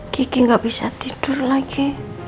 kiki gak bisa tidur lagi